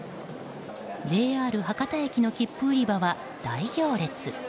ＪＲ博多駅の切符売り場は大行列。